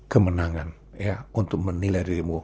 kemenangan untuk menilai dirimu